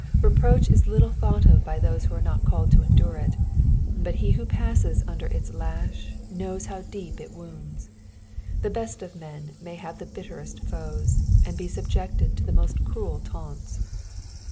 Reproach ia little thought of bjr those who are not called to endure it. but he who passei under its lash knows how deep it wounds. The best of men ma; have the bitterest foes, and be subject«l to the most cniel taunts.